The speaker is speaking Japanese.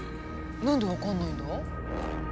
何で分かんないんだ？